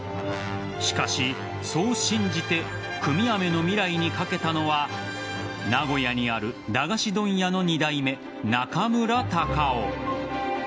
しかし、そう信じて組み飴の未来にかけたのは名古屋にある駄菓子問屋の２代目中村貴男。